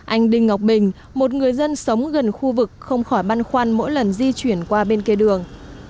anh đinh ngọc bình một người dân sống gần khu vực không khỏi băn khoăn mỗi lần di chuyển qua bên kia đường